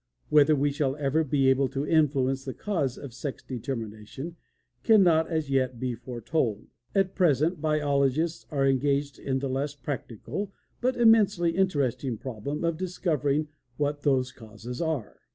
Whether we shall ever be able to influence the causes of sex determination cannot as yet be foretold; at present, biologists are engaged in the less practical, but immensely interesting, problem, of discovering what those causes are."